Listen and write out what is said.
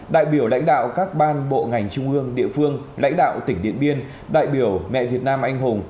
đại biểu lãnh đạo các ban bộ ngành trung ương địa phương lãnh đạo tỉnh điện biên đại biểu mẹ việt nam anh hùng